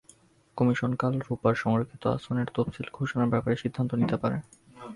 Commission কাল রোববার সংরক্ষিত আসনের তফসিল ঘোষণার ব্যাপারে সিদ্ধান্ত নিতে পারে।